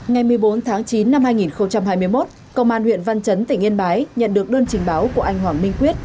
ngày một mươi bốn tháng chín năm hai nghìn hai mươi một công an huyện văn chấn tỉnh yên bái nhận được đơn trình báo của anh hoàng minh quyết